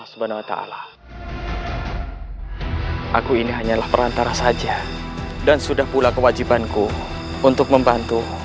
subhanahu wa ta'ala aku ini hanyalah perantara saja dan sudah pula kewajibanku untuk membantu